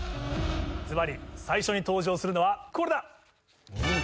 ずばり最初に登場するのはこれだ。